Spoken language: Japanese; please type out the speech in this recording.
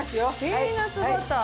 ピーナッツバター